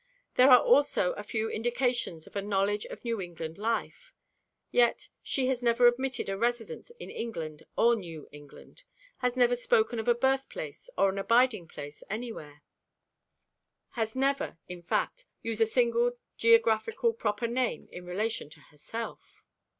There are also a few indications of a knowledge of New England life. Yet she has never admitted a residence in England or New England, has never spoken of a birthplace or an abiding place anywhere, has never, in fact, used a single geographical proper name in relation to herself.